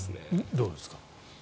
どうですか。